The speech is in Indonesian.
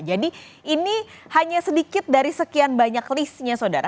jadi ini hanya sedikit dari sekian banyak listnya sodara